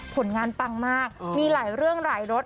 ผลงานปังมากมีหลายเรื่องหลายรส